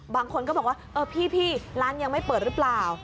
บางคนก็บอกว่าเออพี่ร้านยังไม่เปิดหรือเปล่า